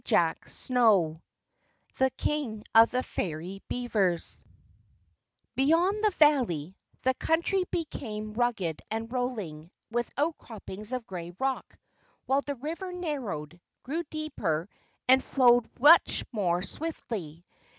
CHAPTER 15 The King of the Fairy Beavers Beyond the valley, the country became rugged and rolling, with outcroppings of grey rock, while the river narrowed, grew deeper, and flowed much more swiftly.